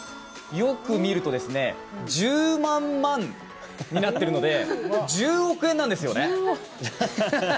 よく見ると「１０万万」になってるので１０億円なんですよね。